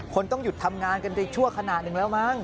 ต้องหยุดทำงานกันไปชั่วขณะหนึ่งแล้วมั้ง